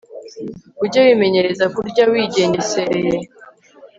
Ujye wimenyereza kurya wigengesereye